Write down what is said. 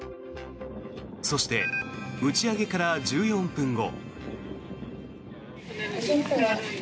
そして打ち上げから１４分後。